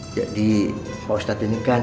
jadi pak ustadz ini kan